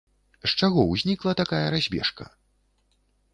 З чаго ўзнікла такая разбежка?